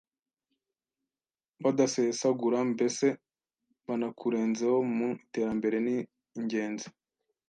badasesagura mbese banakurenzeho mu iterambere ni ingenzi.